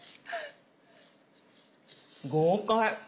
豪快。